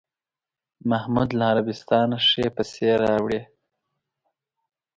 محمود له عربستانه ښې پسې راوړې.